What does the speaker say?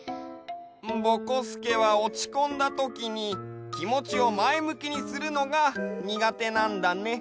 ぼこすけはおちこんだときにきもちをまえむきにするのがにがてなんだね。